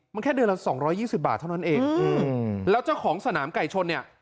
มันแค่เดือนละสองร้อยยี่สิบบาทเท่านั้นเองอืมแล้วเจ้าของสนามไก่ชนเนี่ย